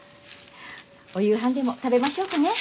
お夕飯でも食べましょうかね。